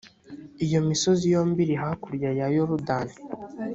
iyo misozi yombi iri hakurya ya yorudani,